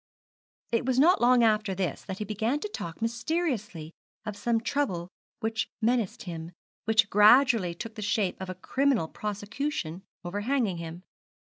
It was not long after this that he began to talk mysteriously of some trouble which menaced him, which gradually took the shape of a criminal prosecution overhanging him.